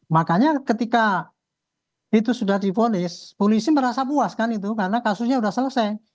makanya ketika itu sudah difonis polisi merasa puas kan itu karena kasusnya sudah selesai